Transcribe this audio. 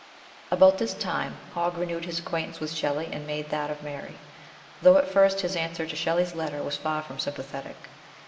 About this time Hogg renewed his acquaintance with Shelley and made that of Mary, though at first his answer to Shelley's letter was far from sympathetic.